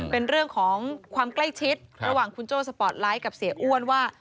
เป็นเรื่องของความใกล้ชิดระหว่างคุณโจ้สปอร์ตไลท์กับเสียอ้วนว่า